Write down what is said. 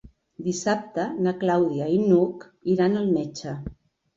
Dissabte na Clàudia i n'Hug iran al metge.